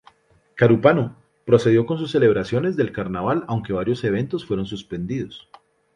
Carúpano procedió con sus celebraciones del carnaval aunque varios eventos fueron suspendidos.